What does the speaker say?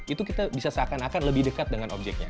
itu kita bisa seakan akan lebih dekat dengan objeknya